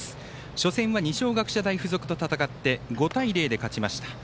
初戦は二松学舎大付属と戦って５対０で勝ちました。